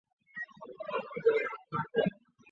浙江仁和县人。